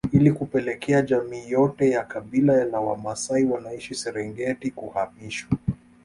Ili kupelekea jamii yote ya kabila la Wamasai wanaishi Serengeti kuhamishwa